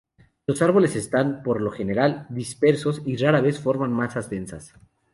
Los árboles están, por lo general, dispersos y rara vez forman masas densas.